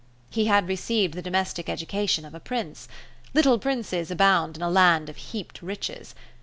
He had received the domestic education of a prince. Little princes abound in a land of heaped riches.